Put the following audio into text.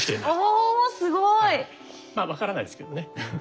おすごい！まあ分からないですけどね。